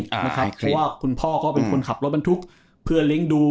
เพราะว่าคุณพ่อก็เป็นคนขับรถบรรทุกเพื่อเลี้ยงดู